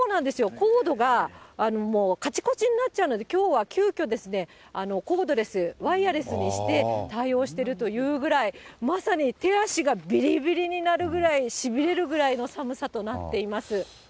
コードがもう、かちこちになっちゃうので、きょうは急きょ、コードレス、ワイヤレスにして対応してるというぐらい、まさに手足がびりびりになるぐらい、しびれるぐらいの寒さとなっています。